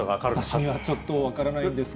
私にはちょっと分からないん